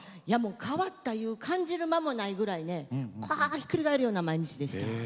変わったと感じる間もないぐらいひっくり返るような毎日でした。